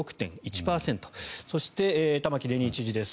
そして玉城デニー知事です。